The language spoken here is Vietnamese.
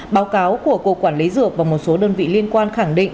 báo cáo của cục quản lý dược và một số đơn vị liên quan khẳng định